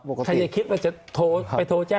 พี่พร้อมทิพย์คิดว่าคุณพิชิตคิดว่าคุณพิชิตคิด